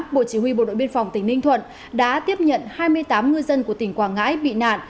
bộ chỉ huy bộ đội biên phòng tỉnh ninh thuận đã tiếp nhận hai mươi tám ngư dân của tỉnh quảng ngãi bị nạn